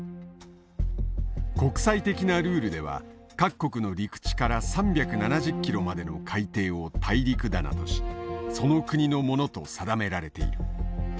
国際的なルールでは各国の陸地から３７０キロまでの海底を大陸棚としその国のものと定められている。